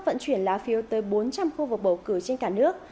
vận chuyển lá phiếu tới bốn trăm linh khu vực bầu cử trên cả nước